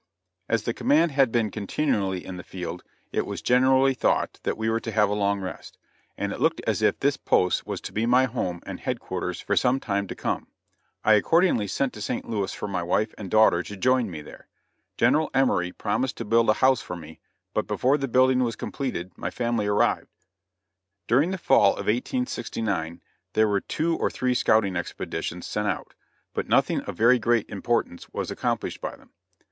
As the command had been continually in the field, it was generally thought that we were to have a long rest; and it looked as if this post was to be my home and headquarters for some time to come. I accordingly sent to St. Louis for my wife and daughter to join me there. General Emory promised to build a house for me, but before the building was completed my family arrived. During the fall of 1869 there were two or three scouting expeditions sent out; but nothing of very great importance was accomplished by them.